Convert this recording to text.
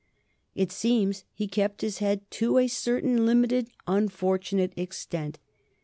It seems he kept his head to a certain limited unfortunate extent.